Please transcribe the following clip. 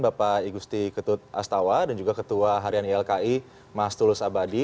bapak igusti ketut astawa dan juga ketua harian ilki mas tulus abadi